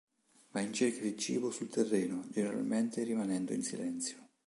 Va in cerca di cibo sul terreno, generalmente rimanendo in silenzio.